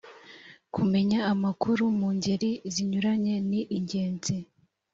kumenya amakuru mu ngeri zinyuranye ni ingenzi